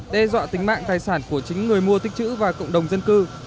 đe dọa tính mạng tài sản của chính người mua tích chữ và cộng đồng dân cư